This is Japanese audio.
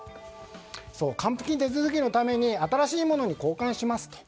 還付金手続きのために新しいものに交換しますと。